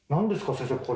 先生これ。